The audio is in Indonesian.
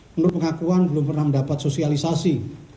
menurut pengakuan belum pernah mendapat sosialisasi